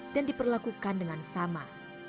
dan diperlakukan dengan sama